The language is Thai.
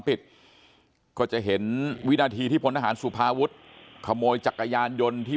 ปิดก็จะเห็นวินาทีที่พลทหารสุภาวุฒิขโมยจักรยานยนต์ที่